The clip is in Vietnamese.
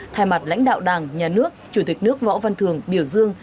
thay mặt lãnh đạo đảng nhà nước chủ tịch nước võ văn thường biểu dương